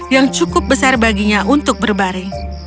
yang cukup besar baginya untuk berbaring